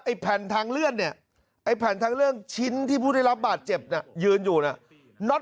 แผ่นทางเลื่อนเนี่ยไอ้แผ่นทางเลื่อนชิ้นที่ผู้ได้รับบาดเจ็บน่ะยืนอยู่น่ะน็อต